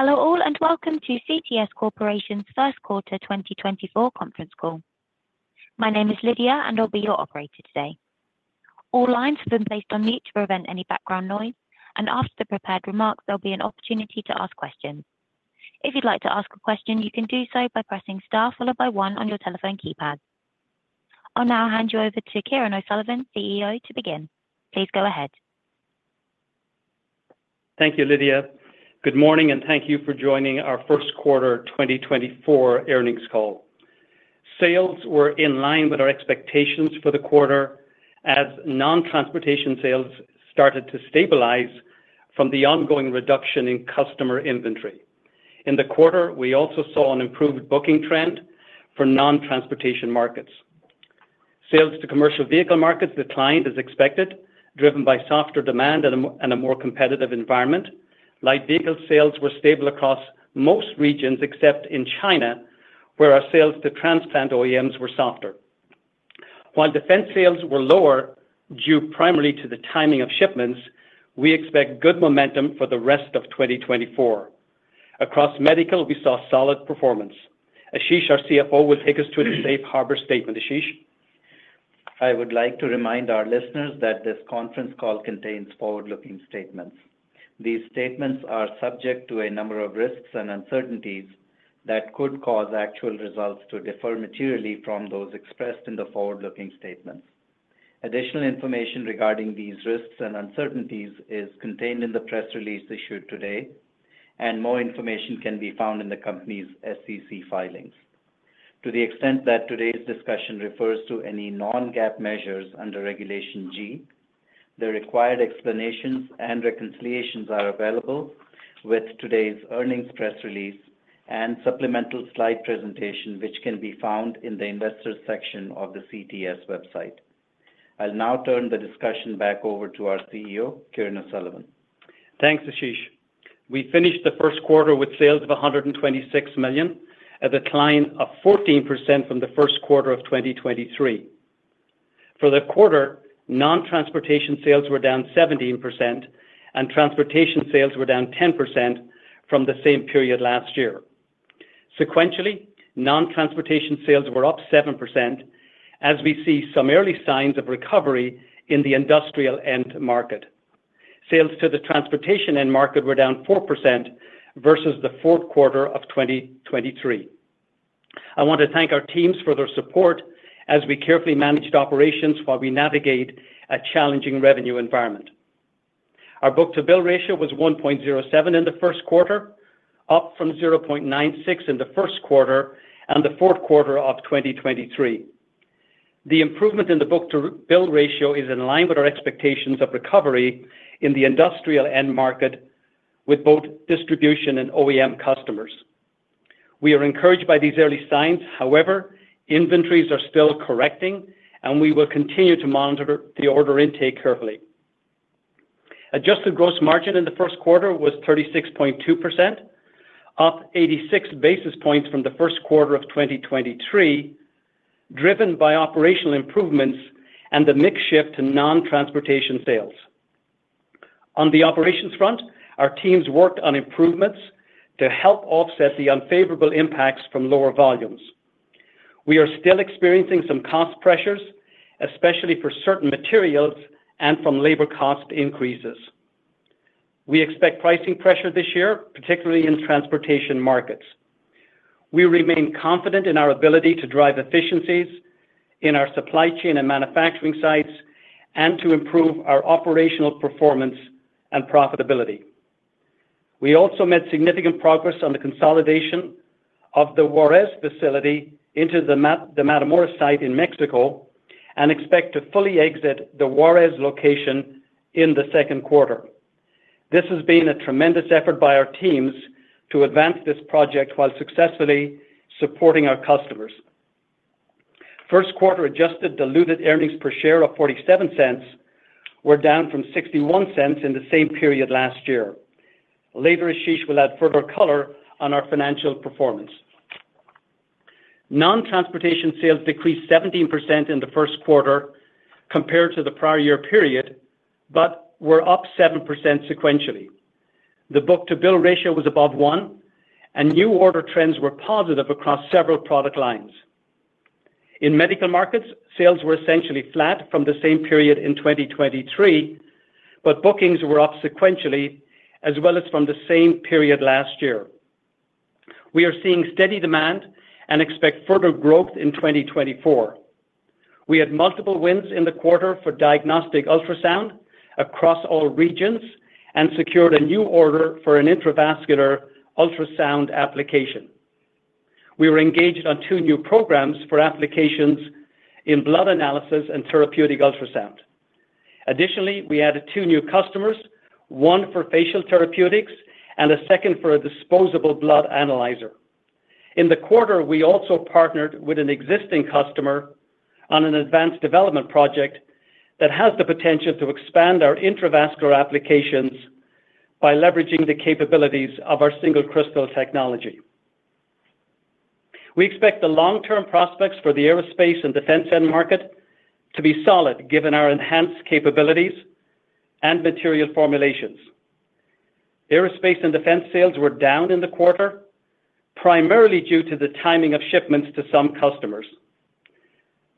Hello all, and welcome to CTS Corporation's first quarter 2024 conference call. My name is Lydia, and I'll be your operator today. All lines have been placed on mute to prevent any background noise, and after the prepared remarks, there'll be an opportunity to ask questions. If you'd like to ask a question, you can do so by pressing Star followed by one on your telephone keypad. I'll now hand you over to Kieran O'Sullivan, CEO, to begin. Please go ahead. Thank you, Lydia. Good morning, and thank you for joining our first quarter 2024 earnings call. Sales were in line with our expectations for the quarter as non-transportation sales started to stabilize from the ongoing reduction in customer inventory. In the quarter, we also saw an improved booking trend for non-transportation markets. Sales to commercial vehicle markets declined as expected, driven by softer demand and a more competitive environment. Light vehicle sales were stable across most regions, except in China, where our sales to transplant OEMs were softer. While defense sales were lower, due primarily to the timing of shipments, we expect good momentum for the rest of 2024. Across medical, we saw solid performance. Ashish, our CFO, will take us to the safe harbor statement. Ashish? I would like to remind our listeners that this conference call contains forward-looking statements. These statements are subject to a number of risks and uncertainties that could cause actual results to differ materially from those expressed in the forward-looking statements. Additional information regarding these risks and uncertainties is contained in the press release issued today, and more information can be found in the company's SEC filings. To the extent that today's discussion refers to any non-GAAP measures under Regulation G, the required explanations and reconciliations are available with today's earnings press release and supplemental slide presentation, which can be found in the Investors section of the CTS website. I'll now turn the discussion back over to our CEO, Kieran O'Sullivan. Thanks, Ashish. We finished the first quarter with sales of $126 million, a decline of 14% from the first quarter of 2023. For the quarter, non-transportation sales were down 17%, and transportation sales were down 10% from the same period last year. Sequentially, non-transportation sales were up 7%, as we see some early signs of recovery in the industrial end market. Sales to the transportation end market were down 4% versus the fourth quarter of 2023. I want to thank our teams for their support as we carefully managed operations while we navigate a challenging revenue environment. Our book-to-bill ratio was 1.07 in the first quarter, up from 0.96 in the first quarter and the fourth quarter of 2023. The improvement in the book-to-bill ratio is in line with our expectations of recovery in the industrial end market with both distribution and OEM customers. We are encouraged by these early signs. However, inventories are still correcting, and we will continue to monitor the order intake carefully. Adjusted gross margin in the first quarter was 36.2%, up 86 basis points from the first quarter of 2023, driven by operational improvements and the mix shift to non-transportation sales. On the operations front, our teams worked on improvements to help offset the unfavorable impacts from lower volumes. We are still experiencing some cost pressures, especially for certain materials and from labor cost increases. We expect pricing pressure this year, particularly in transportation markets. We remain confident in our ability to drive efficiencies in our supply chain and manufacturing sites and to improve our operational performance and profitability. We also made significant progress on the consolidation of the Juarez facility into the Matamoros site in Mexico and expect to fully exit the Juarez location in the second quarter. This has been a tremendous effort by our teams to advance this project while successfully supporting our customers. First quarter adjusted diluted earnings per share of $0.47 were down from $0.61 in the same period last year. Later, Ashish will add further color on our financial performance. Non-transportation sales decreased 17% in the first quarter compared to the prior year period, but were up 7% sequentially. The book-to-bill ratio was above 1, and new order trends were positive across several product lines. In medical markets, sales were essentially flat from the same period in 2023, but bookings were up sequentially as well as from the same period last year. We are seeing steady demand and expect further growth in 2024. We had multiple wins in the quarter for diagnostic ultrasound across all regions and secured a new order for an intravascular ultrasound application. We were engaged on two new programs for applications in blood analysis and therapeutic ultrasound. Additionally, we added two new customers, one for facial therapeutics and a second for a disposable blood analyzer. In the quarter, we also partnered with an existing customer on an advanced development project that has the potential to expand our intravascular applications by leveraging the capabilities of our single crystal technology.... We expect the long-term prospects for the aerospace and defense end market to be solid, given our enhanced capabilities and material formulations. Aerospace and defense sales were down in the quarter, primarily due to the timing of shipments to some customers.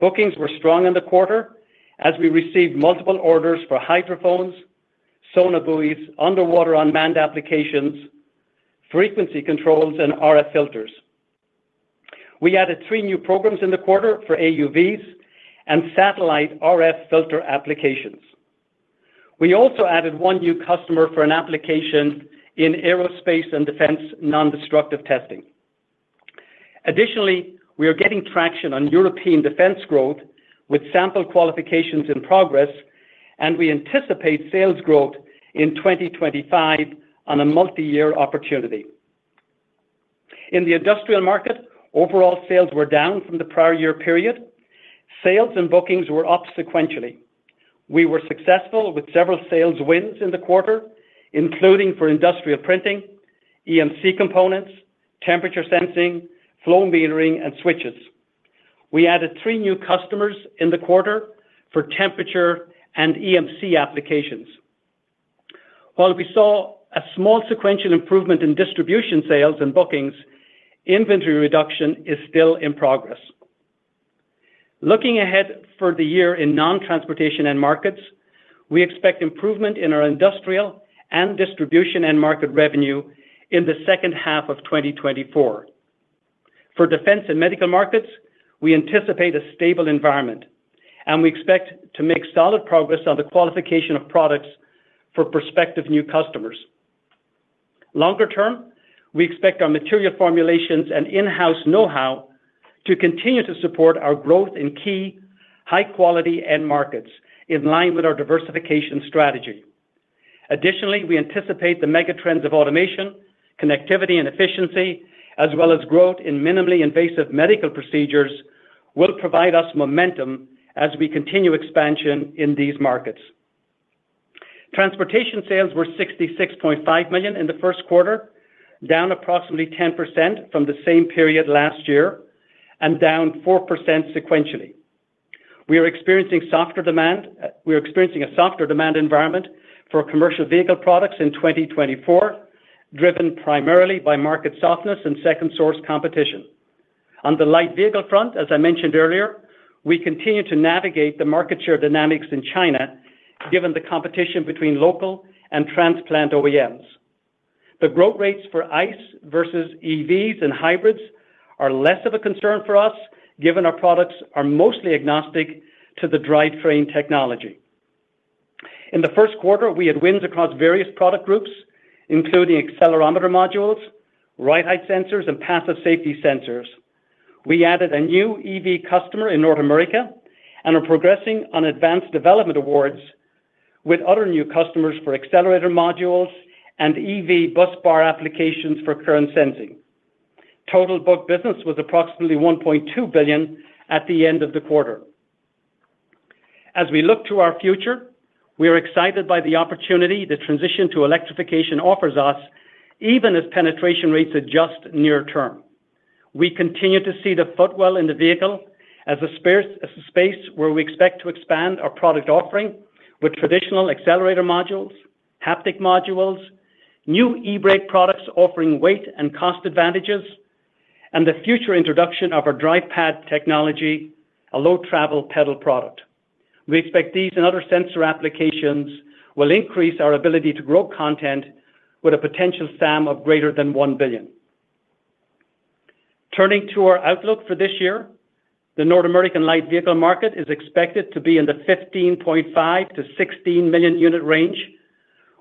Bookings were strong in the quarter as we received multiple orders for hydrophones, sonarbuoys, underwater unmanned applications, frequency controls, and RF filters. We added three new programs in the quarter for AUVs and satellite RF filter applications. We also added one new customer for an application in aerospace and defense nondestructive testing. Additionally, we are getting traction on European defense growth, with sample qualifications in progress, and we anticipate sales growth in 2025 on a multi-year opportunity. In the industrial market, overall sales were down from the prior year period. Sales and bookings were up sequentially. We were successful with several sales wins in the quarter, including for industrial printing, EMC components, temperature sensing, flow metering, and switches. We added three new customers in the quarter for temperature and EMC applications. While we saw a small sequential improvement in distribution sales and bookings, inventory reduction is still in progress. Looking ahead for the year in non-transportation end markets, we expect improvement in our industrial and distribution end market revenue in the second half of 2024. For defense and medical markets, we anticipate a stable environment, and we expect to make solid progress on the qualification of products for prospective new customers. Longer term, we expect our material formulations and in-house know-how to continue to support our growth in key high-quality end markets, in line with our diversification strategy. Additionally, we anticipate the mega trends of automation, connectivity, and efficiency, as well as growth in minimally invasive medical procedures, will provide us momentum as we continue expansion in these markets. Transportation sales were $66.5 million in the first quarter, down approximately 10% from the same period last year, and down 4% sequentially. We are experiencing a softer demand environment for commercial vehicle products in 2024, driven primarily by market softness and second-source competition. On the light vehicle front, as I mentioned earlier, we continue to navigate the market share dynamics in China, given the competition between local and transplant OEMs. The growth rates for ICE versus EVs and hybrids are less of a concern for us, given our products are mostly agnostic to the drivetrain technology. In the first quarter, we had wins across various product groups, including accelerometer modules, ride height sensors, and passive safety sensors. We added a new EV customer in North America and are progressing on advanced development awards with other new customers for accelerator modules and EV busbar applications for current sensing. Total book business was approximately $1.2 billion at the end of the quarter. As we look to our future, we are excited by the opportunity the transition to electrification offers us, even as penetration rates adjust near term. We continue to see the footwell in the vehicle as a space where we expect to expand our product offering with traditional accelerator modules, haptic modules, new eBrake products offering weight and cost advantages, and the future introduction of our DrivePad technology, a low travel pedal product. We expect these and other sensor applications will increase our ability to grow content with a potential SAM of greater than $1 billion. Turning to our outlook for this year, the North American light vehicle market is expected to be in the 15.5-16 million unit range,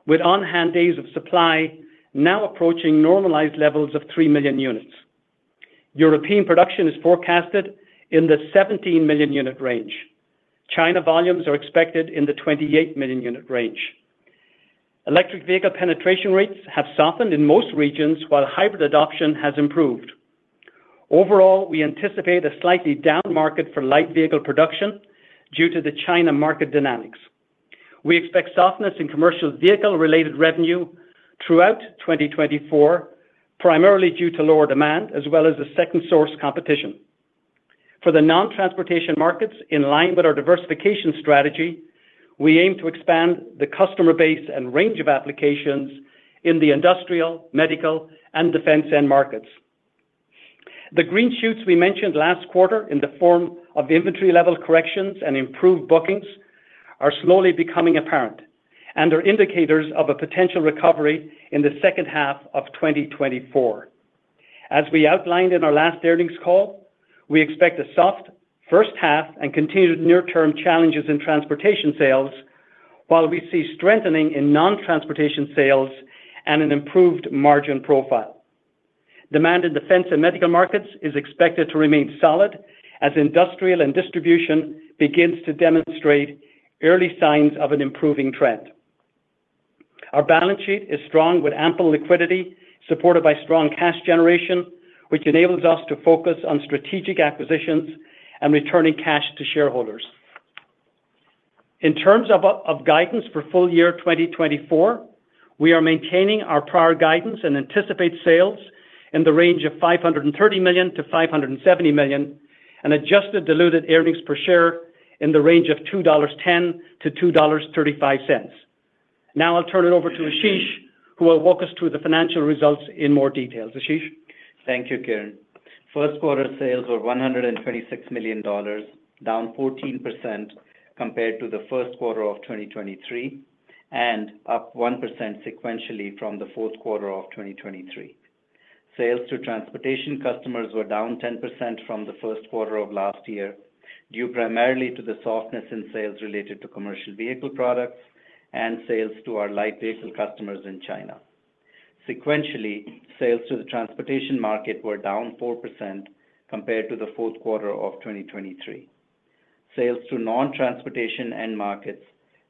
with on-hand days of supply now approaching normalized levels of 3 million units. European production is forecasted in the 17 million unit range. China volumes are expected in the 28 million unit range. Electric vehicle penetration rates have softened in most regions, while hybrid adoption has improved. Overall, we anticipate a slightly down market for light vehicle production due to the China market dynamics. We expect softness in commercial vehicle-related revenue throughout 2024, primarily due to lower demand, as well as the second-source competition. For the non-transportation markets, in line with our diversification strategy, we aim to expand the customer base and range of applications in the industrial, medical, and defense end markets. The green shoots we mentioned last quarter, in the form of inventory level corrections and improved bookings, are slowly becoming apparent and are indicators of a potential recovery in the second half of 2024. As we outlined in our last earnings call, we expect a soft first half and continued near-term challenges in transportation sales, while we see strengthening in non-transportation sales and an improved margin profile. Demand in defense and medical markets is expected to remain solid as industrial and distribution begins to demonstrate early signs of an improving trend. Our balance sheet is strong, with ample liquidity, supported by strong cash generation, which enables us to focus on strategic acquisitions and returning cash to shareholders. In terms of guidance for full year 2024, we are maintaining our prior guidance and anticipate sales in the range of $530 to 570 million, and adjusted diluted earnings per share in the range of $2.10 to 2.35. Now I'll turn it over to Ashish, who will walk us through the financial results in more detail. Ashish? Thank you, Kieran. First quarter sales were $126 million, down 14% compared to the first quarter of 2023, and up 1% sequentially from the fourth quarter of 2023. Sales to transportation customers were down 10% from the first quarter of last year, due primarily to the softness in sales related to commercial vehicle products and sales to our light vehicle customers in China. Sequentially, sales to the transportation market were down 4% compared to the fourth quarter of 2023. Sales to non-transportation end markets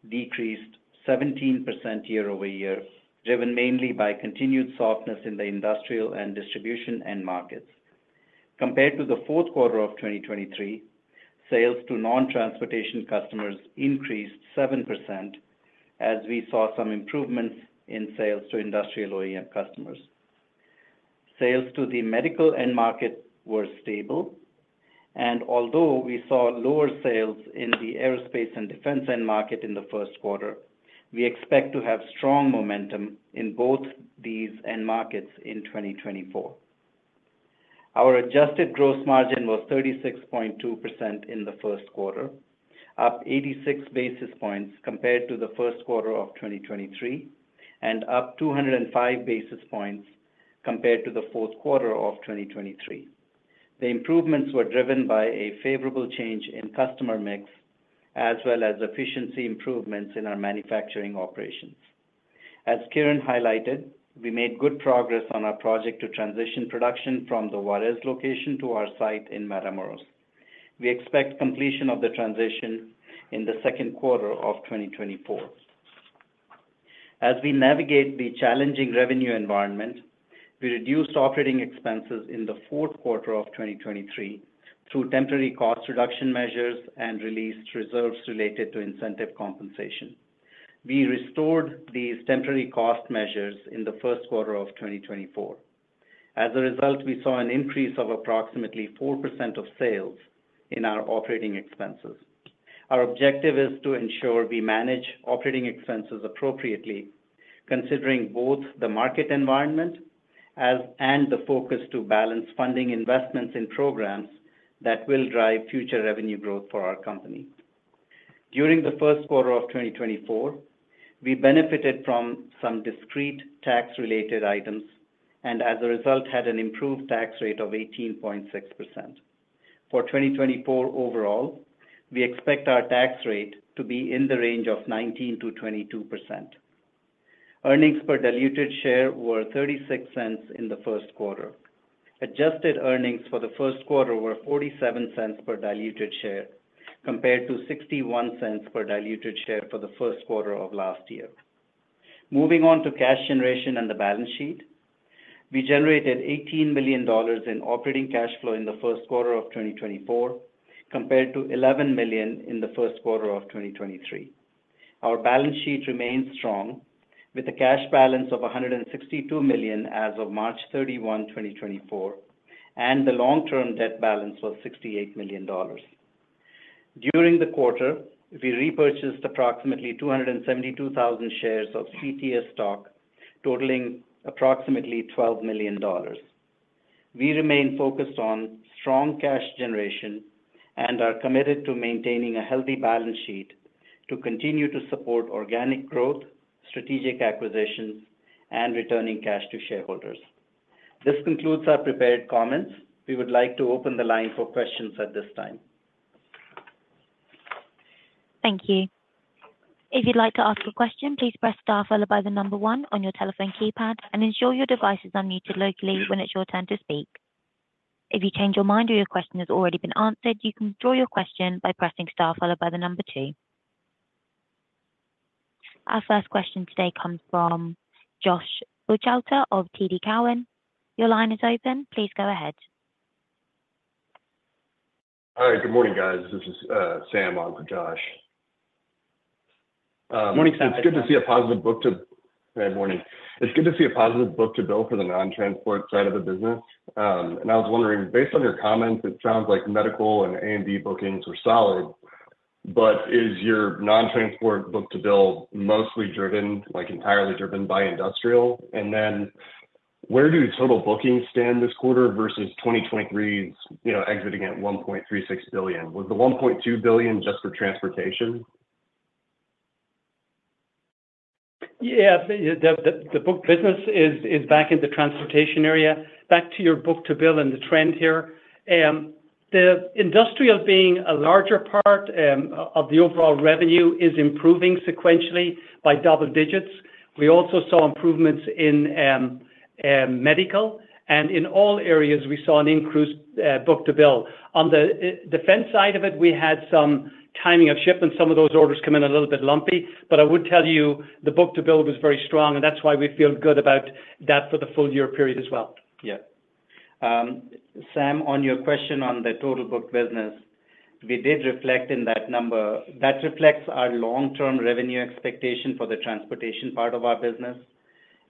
decreased 17% year-over-year, driven mainly by continued softness in the industrial and distribution end markets. Compared to the fourth quarter of 2023, sales to non-transportation customers increased 7%, as we saw some improvements in sales to industrial OEM customers. Sales to the medical end market were stable, and although we saw lower sales in the aerospace and defense end market in the first quarter, we expect to have strong momentum in both these end markets in 2024. Our adjusted gross margin was 36.2% in the first quarter, up 86 basis points compared to the first quarter of 2023, and up 205 basis points compared to the fourth quarter of 2023. The improvements were driven by a favorable change in customer mix, as well as efficiency improvements in our manufacturing operations. As Kieran highlighted, we made good progress on our project to transition production from the Juarez location to our site in Matamoros. We expect completion of the transition in the second quarter of 2024. As we navigate the challenging revenue environment, we reduced operating expenses in the fourth quarter of 2023 through temporary cost reduction measures and released reserves related to incentive compensation. We restored these temporary cost measures in the first quarter of 2024. As a result, we saw an increase of approximately 4% of sales in our operating expenses. Our objective is to ensure we manage operating expenses appropriately, considering both the market environment and the focus to balance funding investments in programs that will drive future revenue growth for our company. During the first quarter of 2024, we benefited from some discrete tax-related items and as a result, had an improved tax rate of 18.6%. For 2024 overall, we expect our tax rate to be in the range of 19%-22%. Earnings per diluted share were $0.36 in the first quarter. Adjusted earnings for the first quarter were $0.47 per diluted share, compared to $0.61 per diluted share for the first quarter of last year. Moving on to cash generation and the balance sheet. We generated $18 million in operating cash flow in the first quarter of 2024, compared to $11 million in the first quarter of 2023. Our balance sheet remains strong, with a cash balance of $162 million as of March 31, 2024, and the long-term debt balance was $68 million. During the quarter, we repurchased approximately 272,000 shares of CTS stock, totaling approximately $12 million. We remain focused on strong cash generation and are committed to maintaining a healthy balance sheet to continue to support organic growth, strategic acquisitions, and returning cash to shareholders. This concludes our prepared comments. We would like to open the line for questions at this time. Thank you. If you'd like to ask a question, please press star followed by the number one on your telephone keypad and ensure your device is unmuted locally when it's your turn to speak. If you change your mind or your question has already been answered, you can withdraw your question by pressing star followed by the number two. Our first question today comes from Josh Buchalter of TD Cowen. Your line is open. Please go ahead. Hi, good morning, guys. This is Sam on for Josh. Morning, Sam. Good morning. It's good to see a positive book-to-bill for the non-transportation side of the business. And I was wondering, based on your comments, it sounds like medical and A&D bookings were solid, but is your non-transportation book-to-bill mostly driven, like, entirely driven by industrial? And then where do total bookings stand this quarter versus 2023's, you know, exiting at $1.36 billion? Was the $1.2 billion just for transportation? Yeah, the book business is back in the transportation area. Back to your book-to-bill and the trend here, the industrial being a larger part of the overall revenue is improving sequentially by double digits. We also saw improvements in medical, and in all areas we saw an increased book-to-bill. On the defense side of it, we had some timing of shipments. Some of those orders come in a little bit lumpy, but I would tell you the book-to-bill was very strong, and that's why we feel good about that for the full year period as well. Yeah. Sam, on your question on the total book business, we did reflect in that number. That reflects our long-term revenue expectation for the transportation part of our business,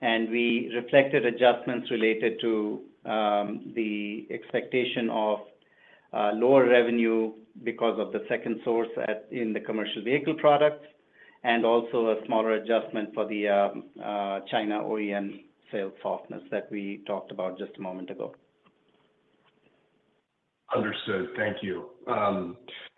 and we reflected adjustments related to the expectation of lower revenue because of the second source at, in the commercial vehicle products, and also a smaller adjustment for the China OEM sales softness that we talked about just a moment ago. Understood. Thank you.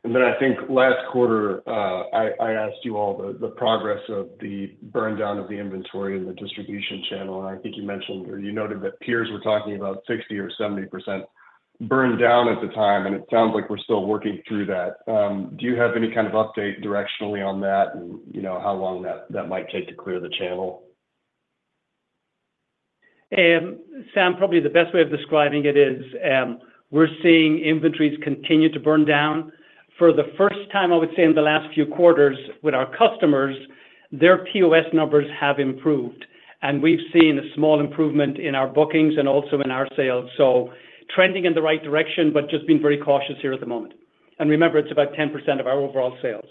And then I think last quarter, I asked you all the progress of the burn down of the inventory in the distribution channel, and I think you mentioned or you noted that peers were talking about 60% or 70% burn down at the time, and it sounds like we're still working through that. Do you have any kind of update directionally on that and, you know, how long that might take to clear the channel? Sam, probably the best way of describing it is, we're seeing inventories continue to burn down. For the first time, I would say, in the last few quarters with our customers, their POS numbers have improved, and we've seen a small improvement in our bookings and also in our sales. So trending in the right direction, but just being very cautious here at the moment. And remember, it's about 10% of our overall sales.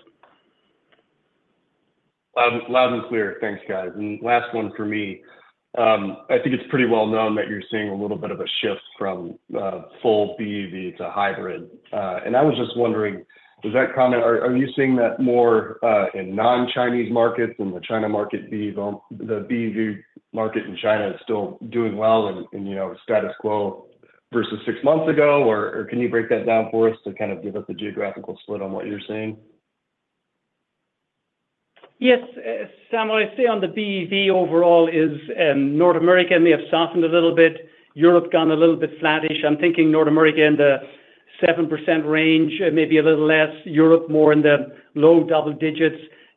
Loud, loud and clear. Thanks, guys. And last one for me. I think it's pretty well known that you're seeing a little bit of a shift from full BEV to hybrid. And I was just wondering, does that comment—are you seeing that more in non-Chinese markets than the China market BEV? The BEV market in China is still doing well and, you know, status quo versus six months ago? Or can you break that down for us to kind of give us a geographical split on what you're seeing? Yes, Sam, what I say on the BEV overall is, North America may have softened a little bit, Europe gone a little bit flattish. I'm thinking North America in the 7% range, maybe a little less. Europe, more in the low double digits.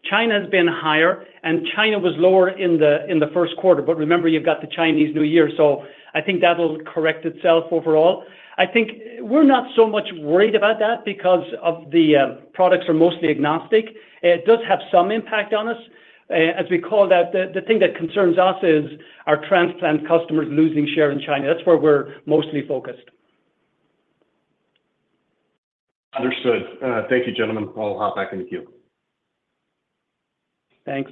China has been higher, and China was lower in the, in the first quarter. But remember, you've got the Chinese New Year, so I think that'll correct itself overall. I think we're not so much worried about that because of the, products are mostly agnostic. It does have some impact on us. As we call that, the, the thing that concerns us is our transplant customers losing share in China. That's where we're mostly focused. Understood. Thank you, gentlemen. I'll hop back in the queue. Thanks.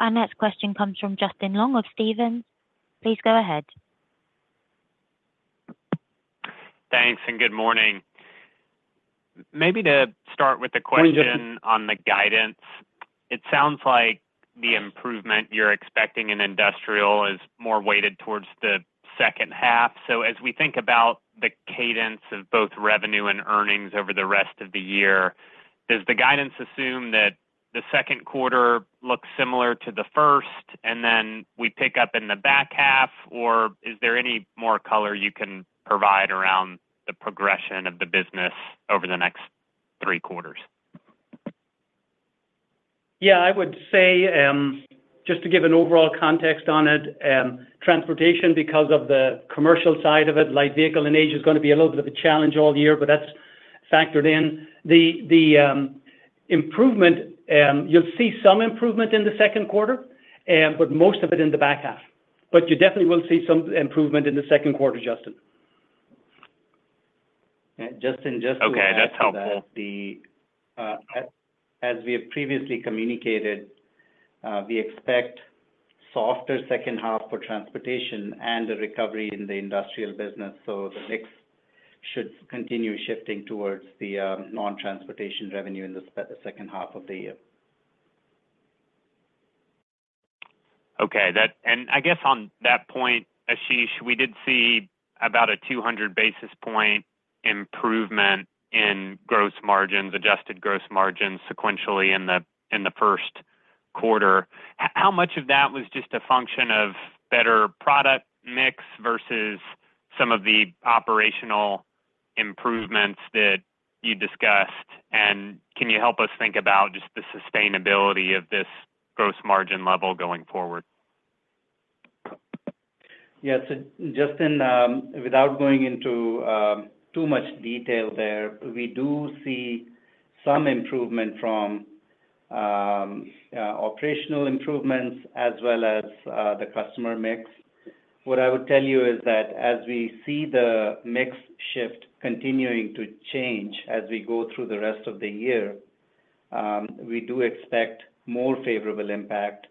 Our next question comes from Justin Long of Stephens. Please go ahead. Thanks, and good morning. Maybe to start with a question- Good morning, Justin. On the guidance. It sounds like the improvement you're expecting in industrial is more weighted towards the second half. So as we think about the cadence of both revenue and earnings over the rest of the year, does the guidance assume that the second quarter looks similar to the first, and then we pick up in the back half? Or is there any more color you can provide around the progression of the business over the next three quarters? Yeah, I would say, just to give an overall context on it, transportation, because of the commercial side of it, light vehicle and Asia is gonna be a little bit of a challenge all year, but that's factored in. The improvement, you'll see some improvement in the second quarter, but most of it in the back half. But you definitely will see some improvement in the second quarter, Justin. Justin, just to add to that- Okay, that's helpful. As we have previously communicated, we expect softer second half for transportation and a recovery in the industrial business. So the mix should continue shifting towards the non-transportation revenue in the second half of the year. Okay, and I guess on that point, Ashish, we did see about a 200 basis point improvement in gross margins, adjusted gross margins sequentially in the first quarter. How much of that was just a function of better product mix versus some of the operational improvements that you discussed? And can you help us think about just the sustainability of this gross margin level going forward? Yes, Justin, without going into too much detail there, we do see some improvement from operational improvements as well as the customer mix. What I would tell you is that as we see the mix shift continuing to change as we go through the rest of the year, we do expect more favorable impact.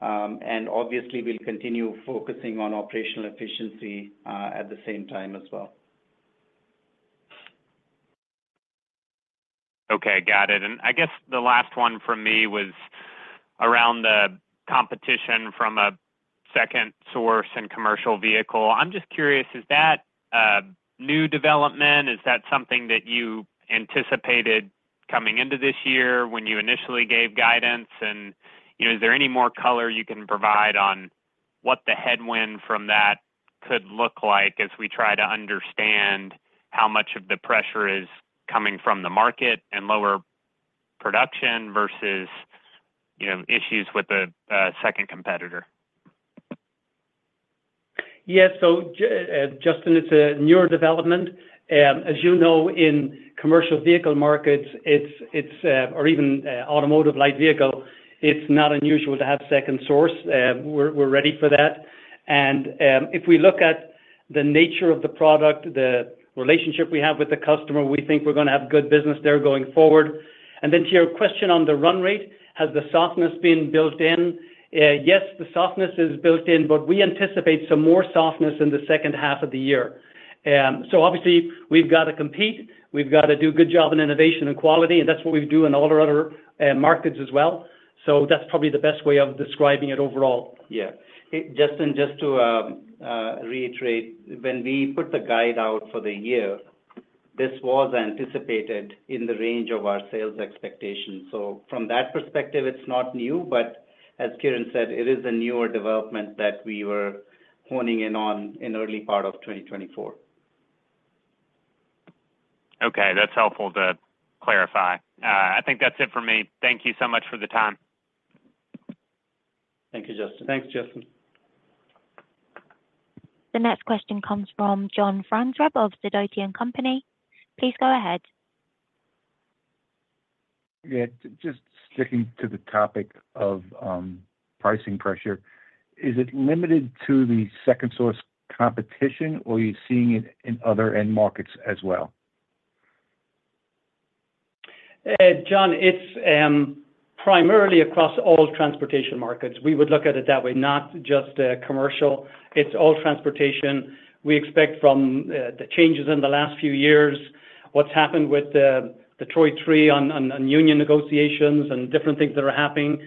And obviously, we'll continue focusing on operational efficiency at the same time as well. Okay, got it. And I guess the last one for me was around the competition from a second source and commercial vehicle. I'm just curious, is that a new development? Is that something that you anticipated coming into this year when you initially gave guidance? And, you know, is there any more color you can provide on what the headwind from that could look like as we try to understand how much of the pressure is coming from the market and lower production versus, you know, issues with the, second competitor? Yes. So, Justin, it's a newer development. As you know, in commercial vehicle markets, it's or even automotive light vehicle, it's not unusual to have second source. We're ready for that. And if we look at the nature of the product, the relationship we have with the customer, we think we're gonna have good business there going forward. And then to your question on the run rate, has the softness been built in? Yes, the softness is built in, but we anticipate some more softness in the second half of the year. So obviously, we've got to compete. We've got to do a good job in innovation and quality, and that's what we do in all our other markets as well. So that's probably the best way of describing it overall. Yeah. Justin, just to reiterate, when we put the guide out for the year, this was anticipated in the range of our sales expectations. So from that perspective, it's not new, but as Kieran said, it is a newer development that we were honing in on in early part of 2024. Okay, that's helpful to clarify. I think that's it for me. Thank you so much for the time. Thank you, Justin. Thanks, Justin. The next question comes from John Franzreb of Sidoti & Company. Please go ahead. Yeah, just sticking to the topic of pricing pressure, is it limited to the second source competition, or are you seeing it in other end markets as well? John, it's primarily across all transportation markets. We would look at it that way, not just commercial. It's all transportation. We expect from the changes in the last few years, what's happened with the Big 3 on union negotiations and different things that are happening,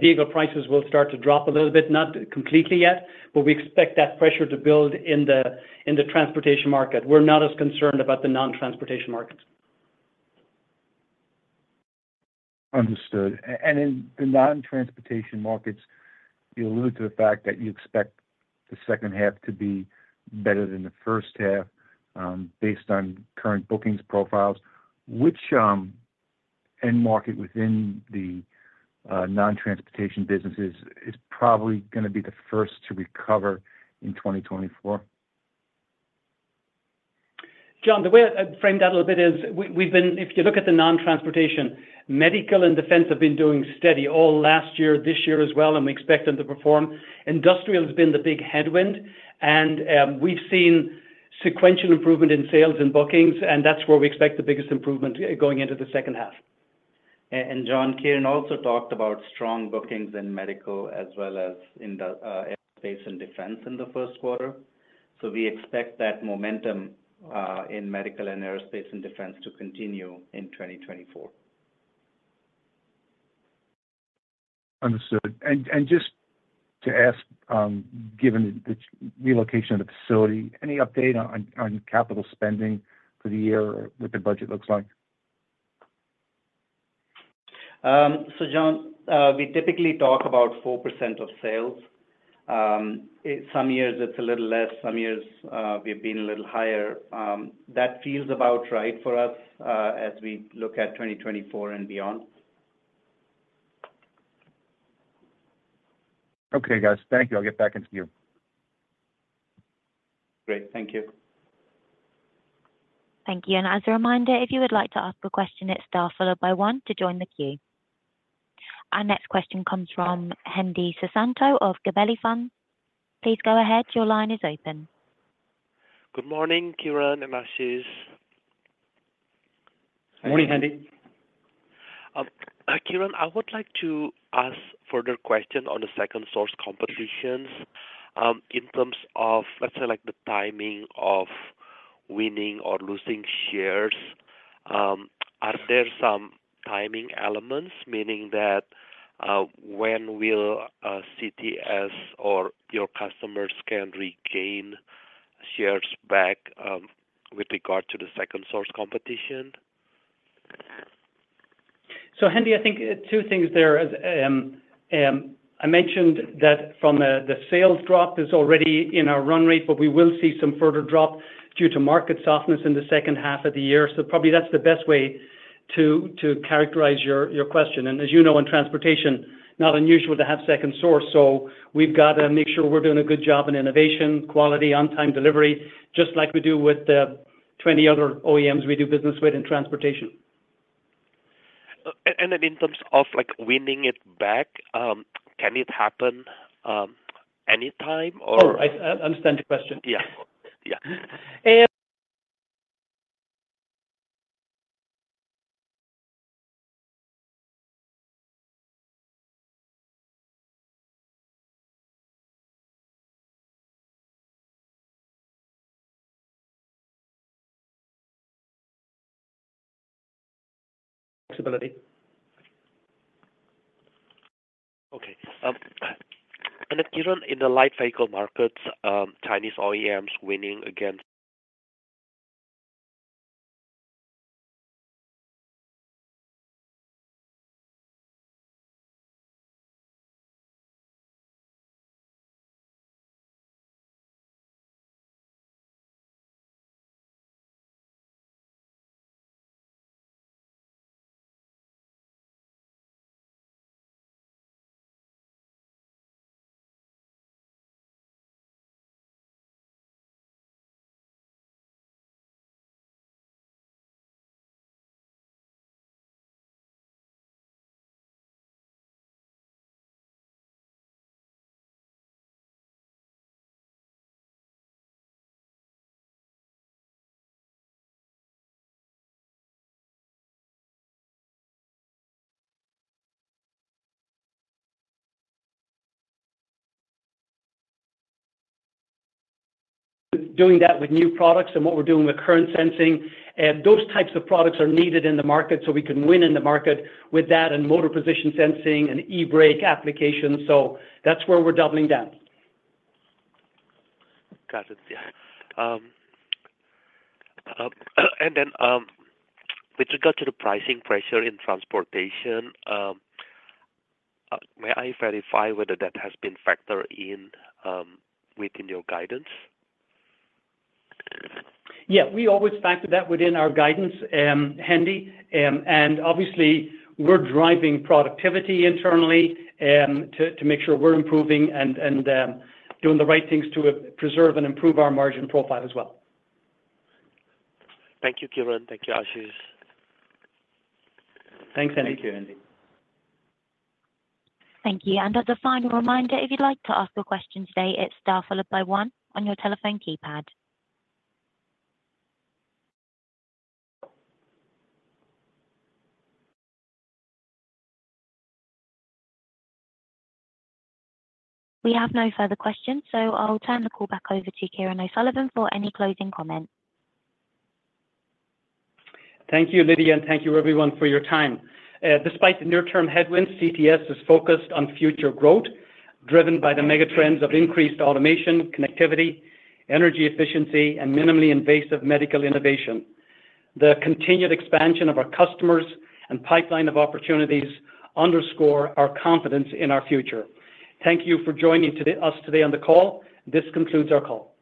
vehicle prices will start to drop a little bit, not completely yet, but we expect that pressure to build in the transportation market. We're not as concerned about the non-transportation markets. Understood. And in the non-transportation markets, you alluded to the fact that you expect the second half to be better than the first half, based on current bookings profiles. Which end market within the non-transportation businesses is probably gonna be the first to recover in 2024? John, the way I'd frame that a little bit is we've been if you look at the non-transportation, medical and defense have been doing steady all last year, this year as well, and we expect them to perform. Industrial has been the big headwind, and we've seen sequential improvement in sales and bookings, and that's where we expect the biggest improvement going into the second half. John, Kieran also talked about strong bookings in medical as well as in the aerospace and defense in the first quarter. We expect that momentum in medical and aerospace and defense to continue in 2024. Understood. And just to ask, given the relocation of the facility, any update on capital spending for the year or what the budget looks like? John, we typically talk about 4% of sales. Some years it's a little less, some years, we've been a little higher. That feels about right for us, as we look at 2024 and beyond. Okay, guys. Thank you. I'll get back into queue. Great. Thank you. Thank you. And as a reminder, if you would like to ask a question, it's star followed by one to join the queue. Our next question comes from Hendi Susanto of Gabelli Funds. Please go ahead. Your line is open. Good morning, Kieran and Ashish. Morning, Hendi. Kieran, I would like to ask further question on the second source competitions. In terms of, let's say, like, the timing of winning or losing shares, are there some timing elements, meaning that, when will CTS or your customers can regain shares back, with regard to the second source competition? So, Hendi, I think two things there. I mentioned that the sales drop is already in our run rate, but we will see some further drop due to market softness in the second half of the year. So probably that's the best way to characterize your question. And as you know, in transportation, not unusual to have second source, so we've got to make sure we're doing a good job in innovation, quality, on-time delivery, just like we do with the 20 other OEMs we do business with in transportation. And in terms of, like, winning it back, can it happen anytime or? Oh, I understand your question. Yeah. And- Ability. Okay, and then Kieran, in the light vehicle markets, Chinese OEMs winning against. Doing that with new products and what we're doing with current sensing, and those types of products are needed in the market, so we can win in the market with that, and motor position sensing and eBrake applications. So that's where we're doubling down. Got it. Yeah. And then, with regard to the pricing pressure in transportation, may I verify whether that has been factored in, within your guidance? Yeah, we always factor that within our guidance, Hendi. And obviously, we're driving productivity internally, to make sure we're improving and doing the right things to preserve and improve our margin profile as well. Thank you, Kieran. Thank you, Ashish. Thanks, Hendi. Thank you, Hendi. Thank you. And as a final reminder, if you'd like to ask a question today, it's star followed by one on your telephone keypad. We have no further questions, so I'll turn the call back over to Kieran O'Sullivan for any closing comments. Thank you, Lydia, and thank you everyone for your time. Despite the near-term headwinds, CTS is focused on future growth, driven by the megatrends of increased automation, connectivity, energy efficiency, and minimally invasive medical innovation. The continued expansion of our customers and pipeline of opportunities underscore our confidence in our future. Thank you for joining us today on the call. This concludes our call.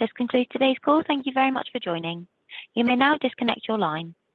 This concludes today's call. Thank you very much for joining. You may now disconnect your line.